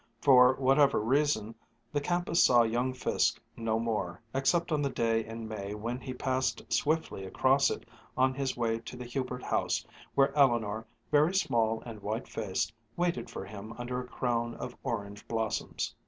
For whatever reason, the campus saw young Fiske no more, except on the day in May when he passed swiftly across it on his way to the Hubert house where Eleanor, very small and white faced, waited for him under a crown of orange blossoms.